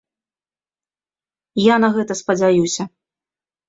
Я на гэта спадзяюся.